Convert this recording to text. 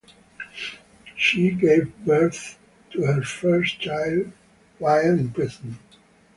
She gave birth to her first child while in prison.